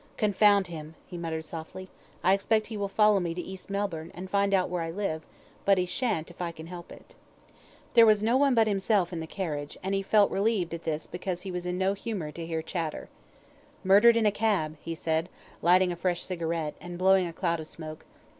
"Confound him!" he muttered softly. "I expect he will follow me to East Melbourne, and find out where I live, but he shan't if I can help it." There was no one but himself in the carriage, and he felt relieved at this because he was in no humour to hear chatter. "Murdered in a cab," he said, lighting a fresh cigarette, and blowing a cloud of smoke.